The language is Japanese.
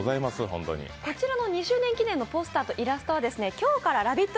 こちらの２周年記念ポスターとイラストは今日からラヴィット！